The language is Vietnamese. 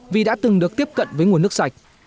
vì đã từng được tiếp cận với nguồn nước sạch